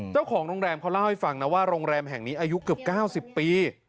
เจ้าของโรงแรมเขาเล่าให้ฟังนะว่าโรงแรมแห่งนี้อายุเกือบ๙๐ปี